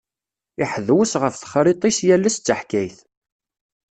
Iḥdewwes ɣef texṛiṭ-is, yal ass d taḥkayt.